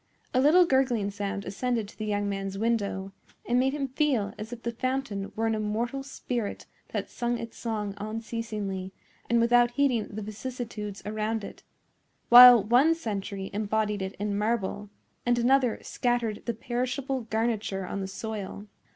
A little gurgling sound ascended to the young man's window, and made him feel as if the fountain were an immortal spirit that sung its song unceasingly and without heeding the vicissitudes around it, while one century imbodied it in marble and another scattered the perishable garniture on the soil.